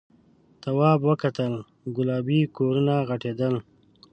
تواب وکتل گلابي کورونه غټېدل.